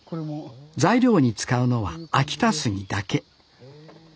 材料に使うのは秋田杉だけ。